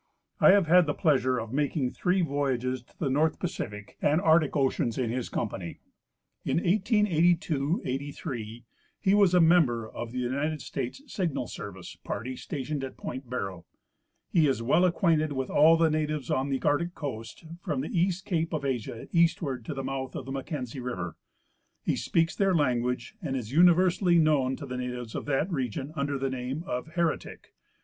I have had the pleasure of making three voyages to the northern Pacific and 78 E. P. Hcrcndeen — An Undiscovered Island. Arctic oceans in his company. In 1882 '83 he was a member of the United States Signal Service party stationed at point Barrow. He is well acquainted with all the natives on the Arctic coast from the East cape of Asia eastward to the mouth of the Mac kenzie river. He speaks their language and is universally known to the natives of that region under the name of " Heretic."